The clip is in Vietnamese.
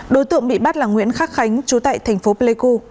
đối tượng bị bắt là nguyễn khắc khánh chú tại thành phố pleiku